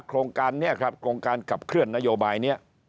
โครงการกับเคลื่อนนโยบาย